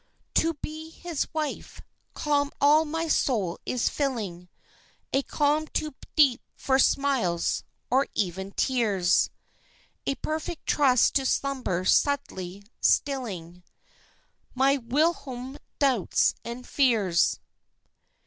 To be his wife! Calm all my soul is filling, A calm too deep for smiles or even tears; A perfect trust to slumber subtly stilling My whilom doubts and fears.